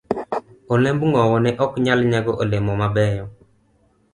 D. Olemb ng'owo ne ok nyal nyago olemo mabeyo.